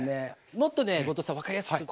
もっとね後藤さん分かりやすくする。